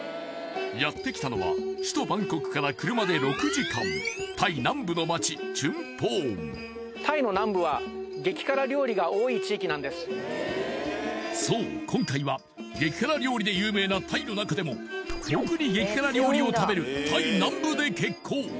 やってきたのは首都バンコクから車で６時間タイ南部の町チュンポーンなんですそう今回は激辛料理で有名なタイの中でも特に激辛料理を食べるタイ南部で決行